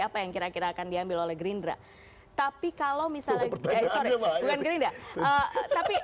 apa yang kira kira akan diambil oleh gerindra tapi kalau misalnya sorry bukan gerinda tapi